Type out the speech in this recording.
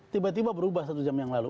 tiba tiba berubah satu jam yang lalu